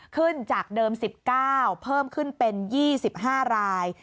ขึ้นจากเดิม๑๙เพิ่มขึ้นเป็น๒๕ราย